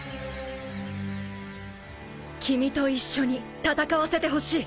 君と一緒に戦わせてほしい。